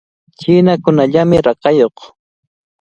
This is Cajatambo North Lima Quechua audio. Chinakunallamy rakayuq.